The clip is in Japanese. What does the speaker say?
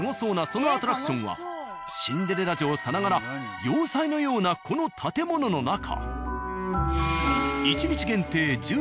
そのアトラクションはシンデレラ城さながら要塞のようなこの建物の中。